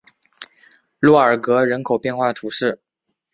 洛尔格人口变化图示